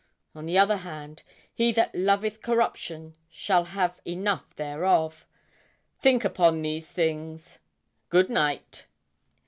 On the other hand, he that loveth corruption shall have enough thereof. Think upon these things. Good night.'